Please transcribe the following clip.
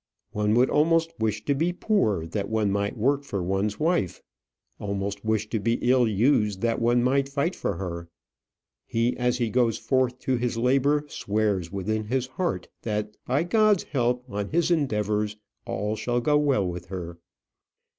One would almost wish to be poor, that one might work for one's wife; almost wish to be ill used, that one might fight for her. He, as he goes forth to his labour, swears within his heart that, by God's help on his endeavours, all shall go well with her.